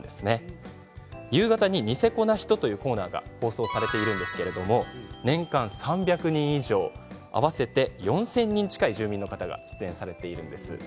夕方に「ニセコなひと」というコーナーが放送されているんですけれど年間３００人以上合わせて４０００人近い住民の方が出演されているんです。